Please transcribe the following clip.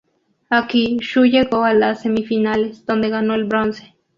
Aquí Zhu llegó a las semifinales, donde ganó el bronce.